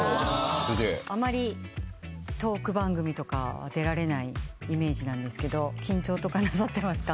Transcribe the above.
あまりトーク番組とかは出られないイメージなんですが緊張とかなさってますか？